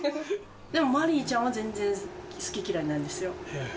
でも、まりいちゃんは全然好き嫌いないですよ。